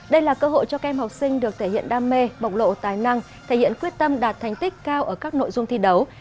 đây là cơ hội cho các em học sinh được thể hiện đam mê bộc lộ tài năng thể hiện quyết tâm đạt thành tích cao ở các nội dung thi đấu